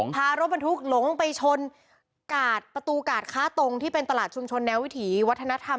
พารถบรรทุกหลงไปชนกาดประตูกาดค้าตรงที่เป็นตลาดชุมชนแนววิถีวัฒนธรรม